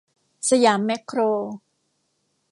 สยามแม็คโคร